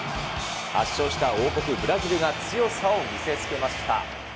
圧勝した王国ブラジルが強さを見せつけました。